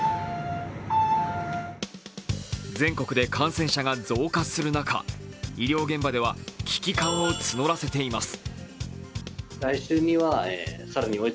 全国で感染者が増加する中、医療現場では危機感を募らせています。